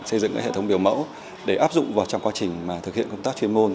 xây dựng hệ thống biểu mẫu để áp dụng vào trong quá trình thực hiện công tác chuyên môn